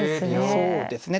そうですね。